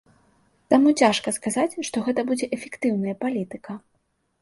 Таму цяжка сказаць, што гэта будзе эфектыўная палітыка.